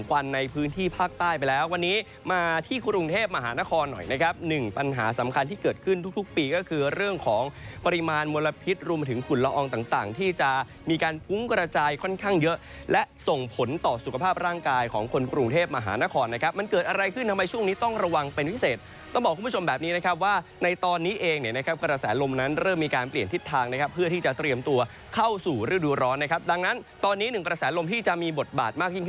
กรุ่มความชื้นมาจากทะเลนะครับ๑ปัญหาสำคัญที่เกิดขึ้นทุกปีก็คือเรื่องของปริมาณมลพิษรูมถึงขุนละอองต่างที่จะมีการฟุ้งกระจายค่อนข้างเยอะและส่งผลต่อสุขภาพร่างกายของคนกรุงเทพมาฮานครนะครับมันเกิดอะไรขึ้นทำไมช่วงนี้ต้องระวังเป็นพิเศษต้องบอกคุณผู้ชมแบบนี้นะครับว่าในต